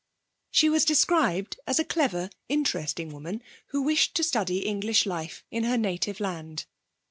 She was described as a clever, interesting woman who wished to study English life in her native land.